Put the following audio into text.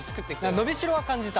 伸びしろは感じた。